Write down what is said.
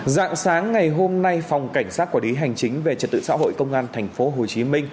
dạng sáng ngày hôm nay phòng cảnh sát quản lý hành chính về trật tự xã hội công an tp hcm